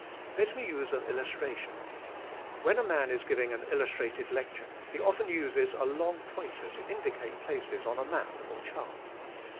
Let me use an illustration. When a man is giving an illustrated lecture he often uses a long pointer to indicate places on a map or chart.